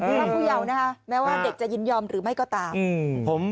พระผู้เยาว์นะคะแม้ว่าเด็กจะยินยอมหรือไม่ก็ตาม